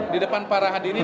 di depan para hadirin